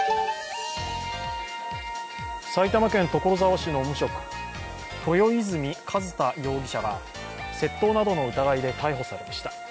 埼玉県所沢市の無職、豊泉寿太容疑者が窃盗などの疑いで逮捕されました。